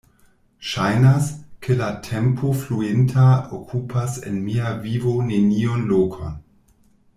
Ŝajnas, ke la tempo fluinta okupas en mia vivo neniun lokon.